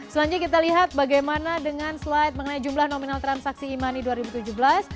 selanjutnya kita lihat bagaimana dengan slide mengenai jumlah nominal transaksi e money dua ribu tujuh belas